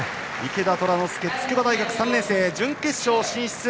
池田虎ノ介筑波大学３年生、準決勝進出。